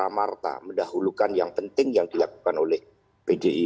ambeg para martir mendahulukan yang penting yang dilakukan oleh pdi